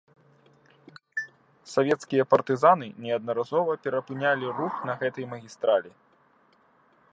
Савецкія партызаны неаднаразова перапынялі рух на гэтай магістралі.